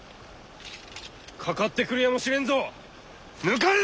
かかってくるやもしれんぞ抜かるな！